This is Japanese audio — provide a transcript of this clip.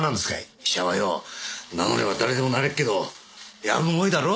医者はよう名乗れば誰でもなれっけどやぶも多いだろ？